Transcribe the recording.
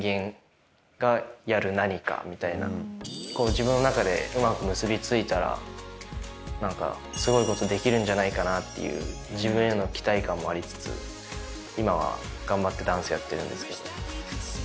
自分の中でうまく結び付いたら。っていう自分への期待感もありつつ今は頑張ってダンスやってるんですけど。